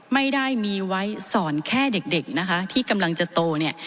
ไม่ได้มีไว้สอนแค่เด็กที่กำลังจะโต